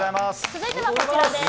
続いてはこちらです。